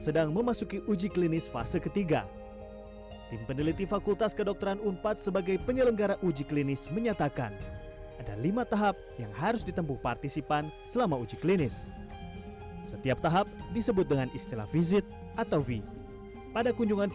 jangan lupa like share dan subscribe ya